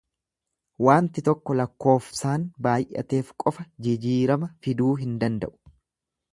Waanti tokko lakkoofsaan baayyateef qofa jijiirama fiduu hin danda'u.